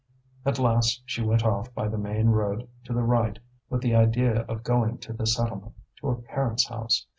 At last she went off by the main road to the right with the idea of going to the settlement, to her parents' house.